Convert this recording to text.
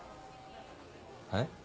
はい？